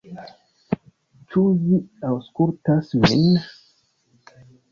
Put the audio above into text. Ĉu vi aŭskultas min?